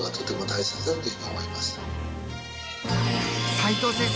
齋藤先生